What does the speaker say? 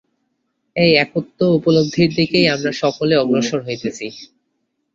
এই একত্ব উপলব্ধির দিকেই আমরা সকলে অগ্রসর হইতেছি।